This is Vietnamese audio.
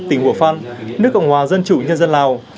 tỉnh hồ phan nước cộng hòa dân chủ nhân dân lào